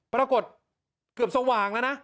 ปรากฏเกือบสว่างแล้วนะ